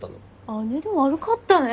姉で悪かったね。